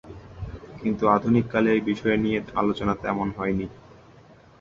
কিন্তু আধুনিক কালে এই বিষয় নিয়ে আলোচনা তেমন হয়নি।